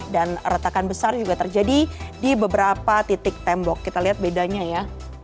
dan retakan besar juga terjadi di beberapa titik tembok kita lihat bedanya ya